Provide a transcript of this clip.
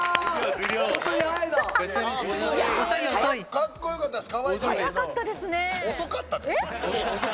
かっこよかったです。